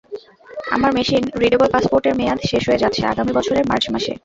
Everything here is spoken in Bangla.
আমার মেশিন রিডেবল পাসপোর্টের মেয়াদ শেষ হয়ে যাচ্ছে আগামী বছরের মার্চ মাসে।